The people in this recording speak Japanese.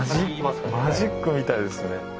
マジックみたいですね。